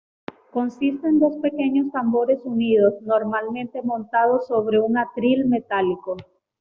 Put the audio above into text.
Consiste en dos pequeños tambores unidos, normalmente, montados sobre un atril metálico.